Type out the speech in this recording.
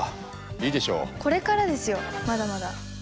これからですよまだまだ。